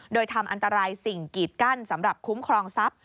โดยทำอันตรายสิ่งกีดกั้นสำหรับคุ้มครองทรัพย